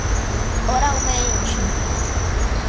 oralmente